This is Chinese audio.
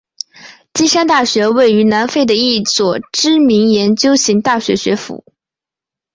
金山大学位于南非的一所知名研究型大学学府。